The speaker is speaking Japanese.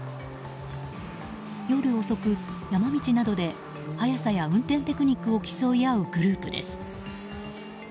夜遅く、山道などで速さや運転テクニックを競い合うグループです。